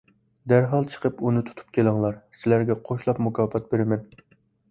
دەرھال چىقىپ ئۇنى تۇتۇپ كېلىڭلار. سىلەرگە قوشلاپ مۇكاپات بېرىمەن.